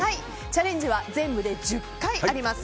チャレンジは全部で１０回あります。